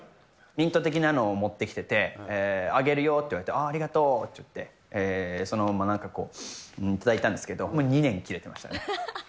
ミント的なのを持ってきてて、あげるよって言われて、あー、ありがとうって言って、そのままもらって、頂いたんですけど、２年切れてましたね。